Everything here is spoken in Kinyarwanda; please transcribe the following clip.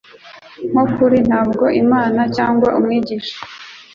Nko kuri Ntabwo Imana cyangwa Umwigisha